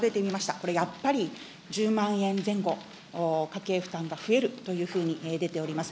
これ、やっぱり１０万円前後、家計負担が増えるというふうに出ております。